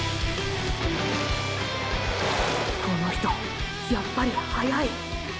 この人やっぱり速い！